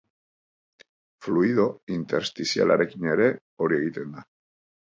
Fluido interstizialarekin ere hori egiten da.